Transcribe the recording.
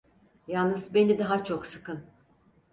Yalnız beni daha çok sıkın…